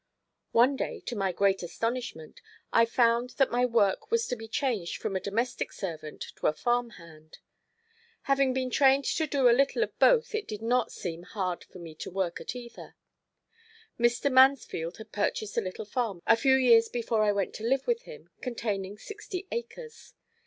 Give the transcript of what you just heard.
One day, to my great astonishment, I found that my work was to be changed from a domestic servant to a farm hand. Having been trained to do a little of both it did not seem hard for me to work at either. Mr. Mansfield had purchased a little farm a few years before I went to live with him, containing sixty acres.